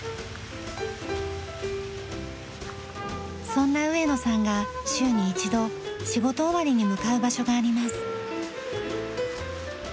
そんな上野さんが週に１度仕事終わりに向かう場所があります。